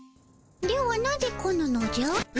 ではなぜ来ぬのじゃ？